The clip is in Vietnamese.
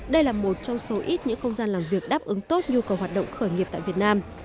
đây là một trong số ít những không gian làm việc đáp ứng tốt nhu cầu hoạt động khởi nghiệp tại việt nam